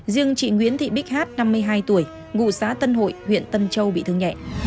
riêng chị nguyễn thị bích hát năm mươi hai tuổi ngụ xã tân hội huyện tân châu bị thương nhẹ